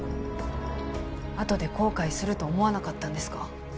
あとで後悔すると思わなかったんですか？